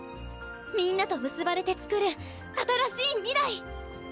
みんなと結ばれてつくる新しい未来！